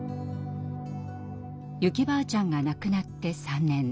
ユキばあちゃんが亡くなって３年。